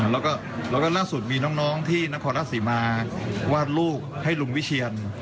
และลากสุดมีน้องน้องที่นครสีมาวาดลูกให้ลุงพี่เชียน